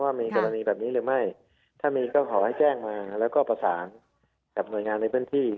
ว่ามีกรณีแบบนี้หรือไม่ถ้ามีก็ขอให้แจ้งมาแล้วก็ประสานกับหน่วยงานในพื้นที่